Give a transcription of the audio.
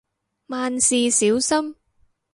萬事小心